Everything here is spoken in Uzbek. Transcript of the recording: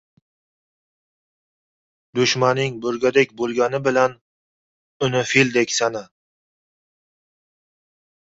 • Dushmaning burgadek bo‘lgani bilan uni fildek sana.